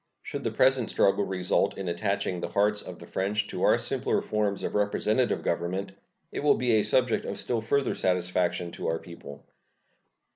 Should the present struggle result in attaching the hearts of the French to our simpler forms of representative government, it will be a subject of still further satisfaction to our people.